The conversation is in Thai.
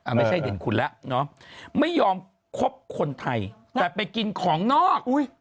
มายยอมคบคนไทยแต่ไปกินของนอก